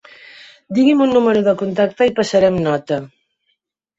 Digui'm un número de contacte i passarem nota.